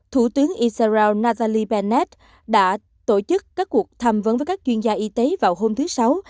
thủ tướng israel natalie bennett đã tổ chức các cuộc thăm vấn với các chuyên gia y tế vào hôm thứ sáu